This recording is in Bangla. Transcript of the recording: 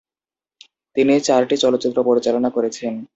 তিনি চারটি চলচ্চিত্র পরিচালনা করেছেন।